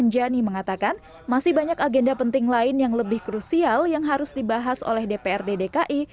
jani mengatakan masih banyak agenda penting lain yang lebih krusial yang harus dibahas oleh dprd dki